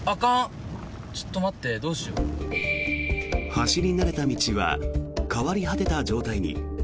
走り慣れた道は変わり果てた状態に。